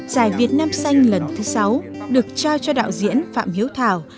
giải việt nam xanh lần thứ sáu được trao cho đạo diễn phạm hiếu thảo